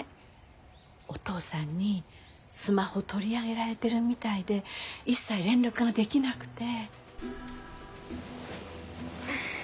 お父さんにスマホ取り上げられてるみたいで一切連絡ができなくて。